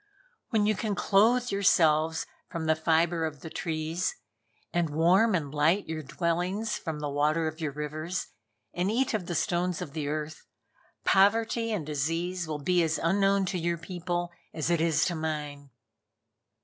When you can clothe yourselves from the fibre of the trees, and warm and light your dwellings from the water of your rivers, and eat of the stones of the earth, Poverty and Disease will be as unknown to your people as it is to mine."